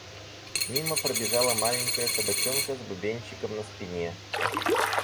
Мимо пробежала маленькая собачка с бубенчиком на спине.